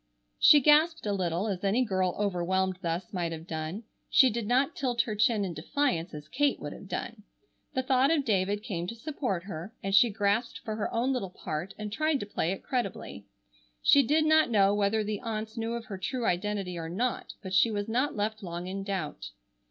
She gasped a little, as any girl overwhelmed thus might have done. She did not tilt her chin in defiance as Kate would have done. The thought of David came to support her, and she grasped for her own little part and tried to play it creditably. She did not know whether the aunts knew of her true identity or not, but she was not left long in doubt.